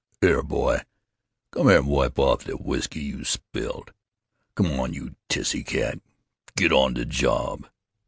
"Here, boy, come 'ere an' wipe off de whisky you spilled.... Come on, you tissy cat. Get on de job....